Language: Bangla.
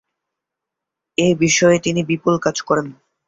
এ বিষয়ে তিনি বিপুল কাজ করেন।